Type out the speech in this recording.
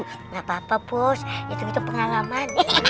gak apa apa pos itu itu pengalaman